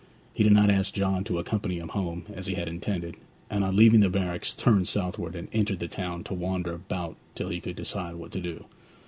He did not ask John to accompany him home, as he had intended; and on leaving the barracks turned southward and entered the town to wander about till he could decide what to do.